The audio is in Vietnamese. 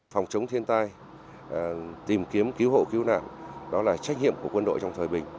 phòng chống thiên tai tìm kiếm cứu hộ cứu nạn đó là trách nhiệm của quân đội trong thời bình